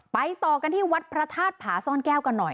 ต่อกันที่วัดพระธาตุผาซ่อนแก้วกันหน่อย